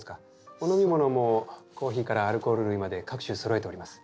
お飲み物もコーヒーからアルコール類まで各種そろえております。